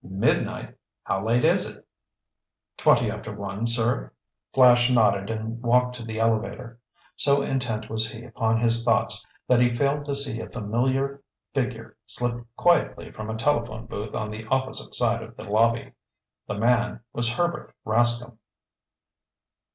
"Midnight! How late is it?" "Twenty after one, sir." Flash nodded and walked to the elevator. So intent was he upon his thoughts that he failed to see a familiar figure slip quietly from a telephone booth on the opposite side of the lobby. The man was Herbert Rascomb.